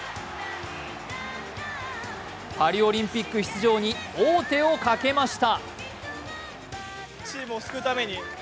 パリオリンピック出場に王手をかけました。